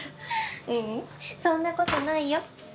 ううんそんなことないよ。